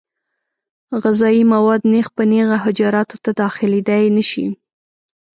غذایي مواد نېغ په نېغه حجراتو ته داخلېدای نشي.